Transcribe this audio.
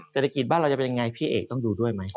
เศรษฐกิจบ้านเราจะเป็นยังไงพี่เอกต้องดูด้วยไหม